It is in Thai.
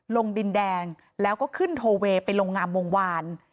ลงดินแดงแล้วก็ขึ้นโทเวย์ไปลงงามวงวาน